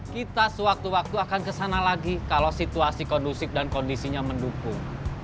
kita sewaktu waktu akan kesana lagi kalau situasi kondusif dan kondisinya mendukung